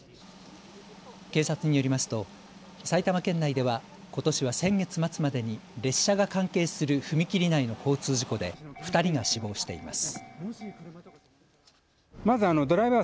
警察によりますと埼玉県内ではことしは先月末までに列車が関係する踏切内の交通事故で２人が死亡しています。